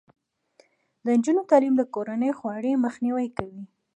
د نجونو تعلیم د کورنۍ خوارۍ مخنیوی دی.